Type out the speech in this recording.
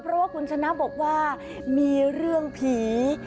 เพราะว่าคุณชนะบอกว่ามีเรื่องผี